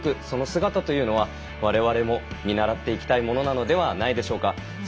その姿というのは、われわれも見習っていきたいものではないでしょうか。